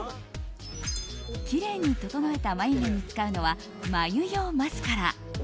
きれいに整えた眉毛に使うのは眉用マスカラ。